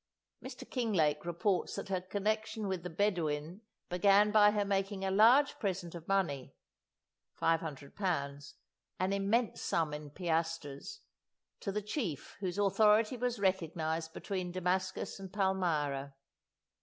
Mr. Kinglake reports that her connection with the Bedawun began by her making a large present of money (£500, an immense sum in piastres) to the chief whose authority was recognized between Damascus and Palmyra.